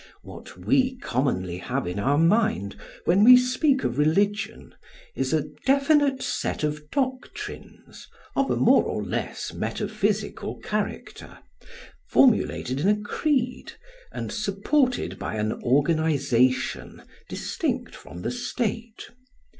What we commonly have in our mind when we speak of religion is a definite set of doctrines, of a more or less metaphysical character, formulated in a creed and supported by an organisation distinct from the state.